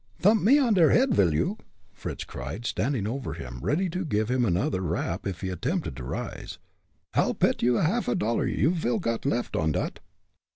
"Thump me on der head, vil you?" Fritz cried, standing over him, ready to give him another rap, if he attempted to rise. "I'll pet you a half dollar you vil got left, on dot."